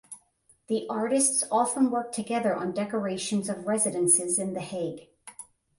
The artists often worked together on decorations of residences in The Hague.